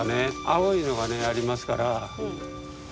青いのがねありますから。